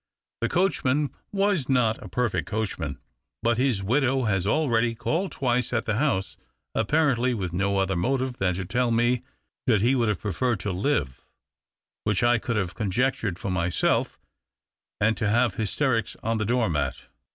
The coachman was not a perfect coachman. But his widow has already called twice at the house, apparently with no other motive than to tell me that he would have preferred to live (which I could have conjectured for myself) and to have hysterics on the door mat.